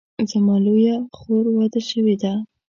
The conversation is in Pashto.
زما لویه خور واده شوې ده